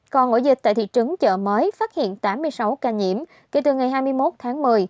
còn ổ dịch tại thị trấn chợ mới phát hiện tám mươi sáu ca nhiễm kể từ ngày hai mươi một tháng một mươi